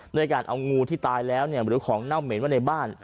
โดยการเอางูที่ตายแล้วหรือชักเดียวของเน่าเหม็นบ้าน